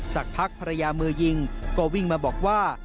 สักพักภรรยามือยิงก็วิ่งมาบอกว่า